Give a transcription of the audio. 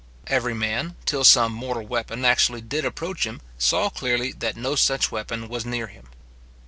Every man, till some mortal weapon actually did approach him, saw clearly that no such weapon was near him.